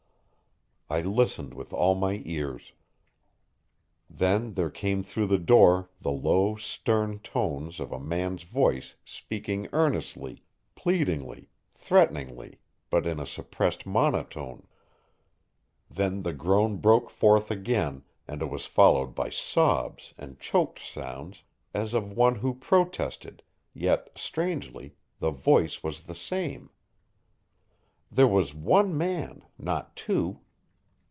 I listened with all my ears. Then there came through the door the low, stern tones of a man's voice speaking earnestly, pleadingly, threateningly, but in a suppressed monotone. Then the groan broke forth again, and it was followed by sobs and choked sounds, as of one who protested, yet, strangely, the voice was the same. There was one man, not two.